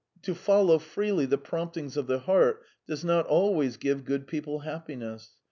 . To follow freely the promptings of the heart does not always give good people happiness.